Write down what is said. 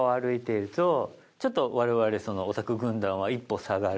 ちょっと我々オタク軍団は１歩下がる。